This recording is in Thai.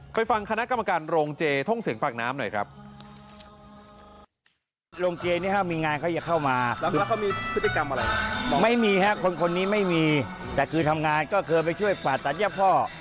ฟังคณะกรรมการโรงเจท่งเสียงปากน้ำหน่อยครับ